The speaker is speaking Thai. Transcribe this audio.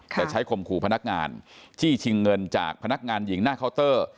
แต่ใช้ข่มขู่พนักงานจี้ชิงเงินจากพนักงานหญิงหน้าเคาน์เตอร์